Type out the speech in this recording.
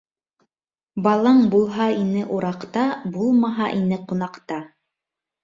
Балаң булһа ине ураҡта, булмаһа ине ҡунаҡта.